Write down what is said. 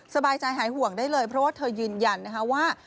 สบายใจหายห่วงได้เลยเพราะว่าเธอยืนยันนะคะว่า